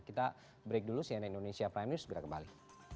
kita break dulu cnn indonesia prime news segera kembali